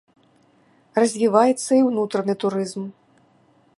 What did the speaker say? Развіваецца і ўнутраны турызм.